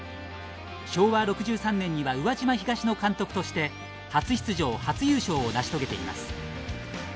昭和６３年には宇和島東の監督として初出場初優勝を成し遂げています。